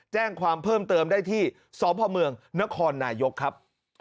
แจ้งความเพิ่มเติมได้ที่สพเมืองนครนายกครับ